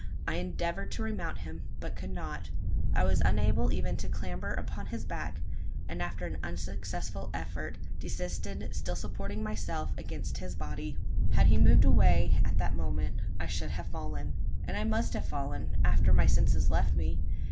I endeavoured to remount him, but could not. I was unable even to clamber upon his back; and after an unsuccessful effort, desisted still supporting myself against his body. Had he moved away, at the moment, I should have fallen. And I must have fallen after my senses left me.